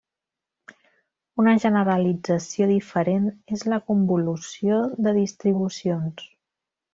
Una generalització diferent és la convolució de distribucions.